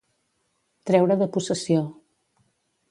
Treure de possessió.